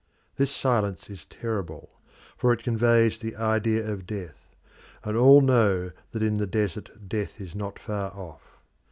This silence is terrible, for it conveys the idea of death, and all know that in the desert death is not far off.